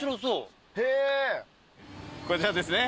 こちらですね。